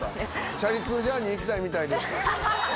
チャリ通ジャーニー行きたいみたいです。